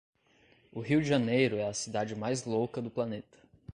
o rio de janeiro é a cidade mais louca do planeta